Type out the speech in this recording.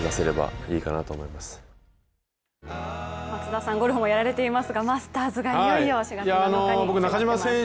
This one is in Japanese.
松田さんゴルフもやられていますが、マスターズがいよいよ４月７日に迫っています。